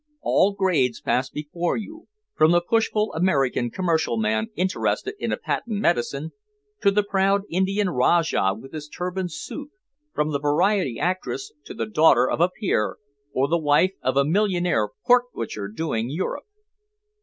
All grades pass before you, from the pushful American commercial man interested in a patent medicine, to the proud Indian Rajah with his turbaned suite; from the variety actress to the daughter of a peer, or the wife of a millionaire pork butcher doing Europe.